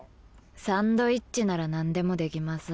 サンドイッチなら何でもできます。